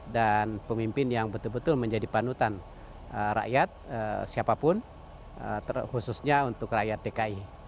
dan pemimpin yang betul betul menjadi panutan rakyat siapapun khususnya untuk rakyat dki